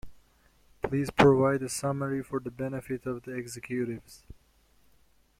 Please provide a summary for the benefit of the executives.